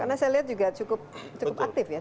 karena saya lihat juga cukup aktif ya